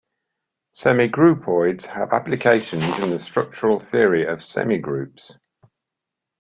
Semigroupoids have applications in the structural theory of semigroups.